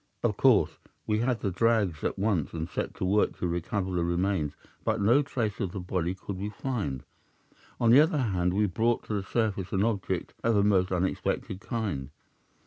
"'Of course, we had the drags at once, and set to work to recover the remains, but no trace of the body could we find. On the other hand, we brought to the surface an object of a most unexpected kind.